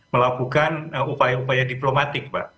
melakukan upaya upaya diplomatik pak